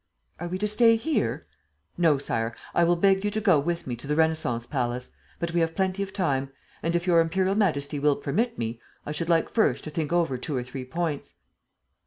"Are we to stay here?" "No, Sire, I will beg you to go with me to the Renascence palace. But we have plenty of time; and, if Your Imperial Majesty will permit me, I should like first to think over two or three points."